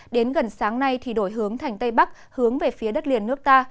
đến gần sáng nay thì đổi hướng thành tây bắc hướng về phía đất liền nước ta